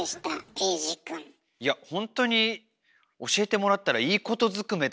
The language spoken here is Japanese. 瑛士くん。いやほんとに教えてもらったらいいことずくめだなって。